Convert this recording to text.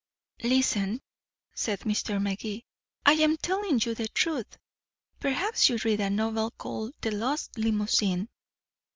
"Listen," said Mr. Magee. "I am telling you the truth. Perhaps you read a novel called The Lost Limousine."